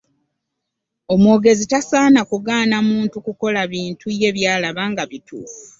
Omwogezi tasaana kugaana muntu kukola bintu ye byalaba nga ebituufu .